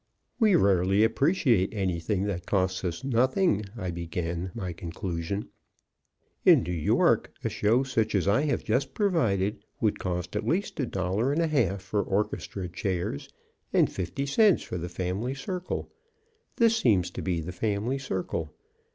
"We rarely appreciate anything that costs us nothing," I began my conclusion. "In New York, a show such as I have just provided would cost at least a dollar and a half for orchestra chairs and fifty cents for the family circle; this seems to be the family circle.